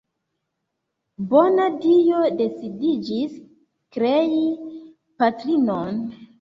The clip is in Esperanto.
Bona Dio decidiĝis krei patrinon.